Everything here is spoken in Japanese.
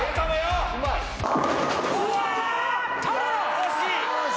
惜しい！